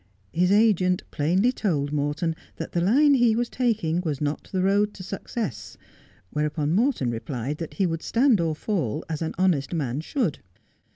His agent plainly told Morton that the line he was taking was not the road to success ; whereupon Morton replied that he would stand or fall as an honest man should.